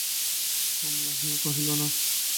কমলা কহিল, না।